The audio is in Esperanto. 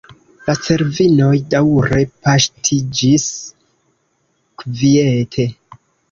La cervinoj daŭre paŝtiĝis kviete.